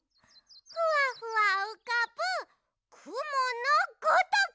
ふわふわうかぶくものごとく！